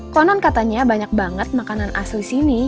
konon katanya banyak banget makanan asli sini